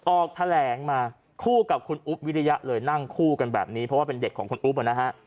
ออกแถลงมาคู่กับคุณอุ๊บวิริยะเลยนั่งคู่กันแบบนี้เพราะว่าเป็นเด็กของคุณอุ๊บนะฮะ